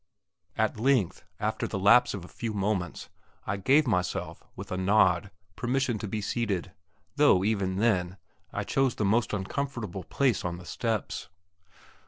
At length, after the lapse of a few moments, I gave myself, with a nod, permission to be seated, though, even then, I chose the most uncomfortable place on the steps.